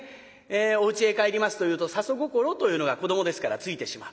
おうちへ帰りますというと里心というのが子どもですからついてしまう。